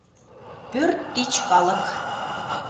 Пӧрт тич калык.